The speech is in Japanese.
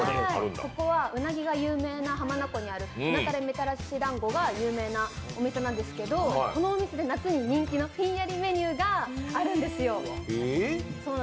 ここはうなぎが有名な浜名湖にあるうなたれみたらしかき氷が有名なお店なんですが、このお店で夏に人気のひんやりメニューがあるんですよ。